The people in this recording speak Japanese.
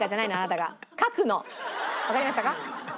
わかりましたか？